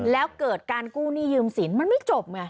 แล้วเกิดการกู้หนี้ยืมสินมันไม่จบไง